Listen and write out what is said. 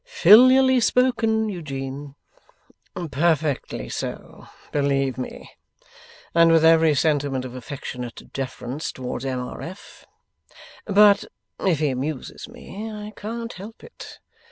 'Filially spoken, Eugene!' 'Perfectly so, believe me; and with every sentiment of affectionate deference towards M. R. F. But if he amuses me, I can't help it.